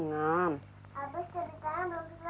abis cerita yang belum selesai